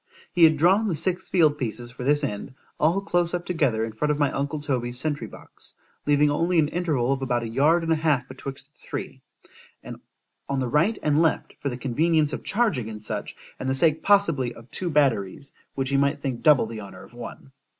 He had drawn the six field pieces for this end, all close up together in front of my uncle Toby's sentry box, leaving only an interval of about a yard and a half betwixt the three, on the right and left, for the convenience of charging, &c.—and the sake possibly of two batteries, which he might think double the honour of one.